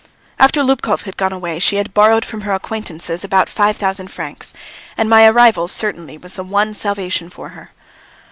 After Lubkov had gone away she had borrowed from her acquaintances about five thousand francs, and my arrival certainly was the one salvation for her.